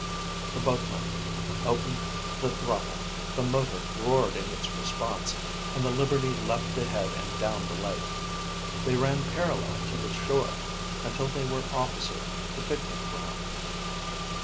The boatman opened the throttle, the motor roared its response and the Liberty leaped ahead and down the lake. They ran parallel to the shore until they were opposite the picnic ground.